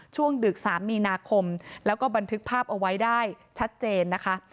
ดึก๓มีนาคมแล้วก็บันทึกภาพเอาไว้ได้ชัดเจนนะคะ